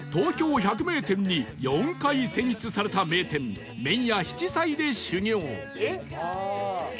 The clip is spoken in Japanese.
ＴＯＫＹＯ 百名店に４回選出された名店麺や七彩で修業